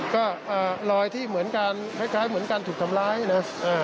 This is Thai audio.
ก็รอยที่เหมือนกันคล้ายเหมือนการถูกทำร้ายนะ